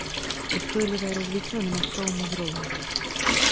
Устойлівае развіццё на мясцовым узроўні.